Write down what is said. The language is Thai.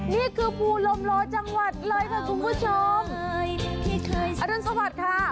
นี่คือภูลมล้อยจังหวัดเลยนะคุณผู้ชมสวัสดีค่ะ